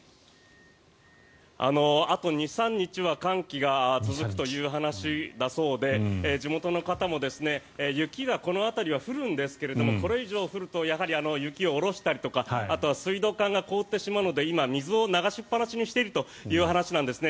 あと２３日は寒気が続くという話だそうで地元の方も雪がこの辺りは降るんですがこれ以上降ると雪を下ろしたりとかあとは水道管が凍ってしまうので今、水を流しっぱなしにしているという話なんですね。